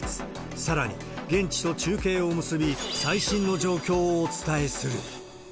さらに、現地と中継を結び、最新の状況をお伝えする。